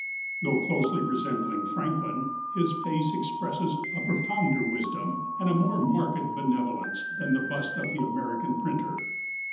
Though closely resembling Franklin, his face expresses a profounder wisdom and a more marked benevolence than the bust of the American printer.